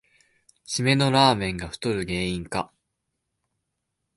しめのラーメンが太る原因か